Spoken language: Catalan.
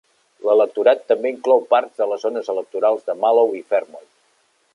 L'electorat també inclou parts de les zones electorals de Mallow i Fermoy.